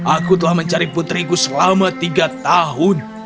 aku telah mencari putriku selama tiga tahun